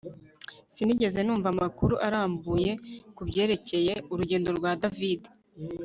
Sinigeze numva amakuru arambuye kubyerekeye urugendo rwa David